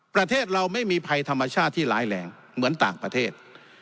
ประเทศเราไม่มีภัยธรรมชาติที่ร้ายแรงเหมือนต่างประเทศ